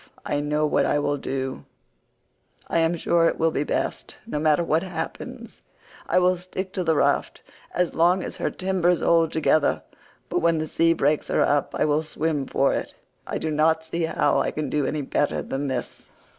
I know what I will do—I am sure it will be best—no matter what happens I will stick to the raft as long as her timbers hold together, but when the sea breaks her up I will swim for it; I do not see how I can do any better than this."